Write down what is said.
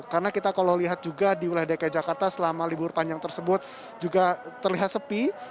karena kita kalau lihat juga di wilayah dki jakarta selama libur panjang tersebut juga terlihat sepi